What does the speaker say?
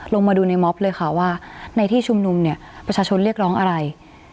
ลงมาดูในม็อบเลยค่ะว่าในที่ชุมนุมเนี่ยประชาชนเรียกร้องอะไร